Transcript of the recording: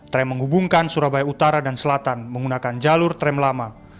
tram menghubungkan surabaya utara dan selatan menggunakan jalur tram lama